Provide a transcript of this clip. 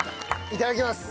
いただきます。